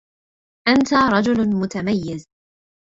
أنت رجل متميز.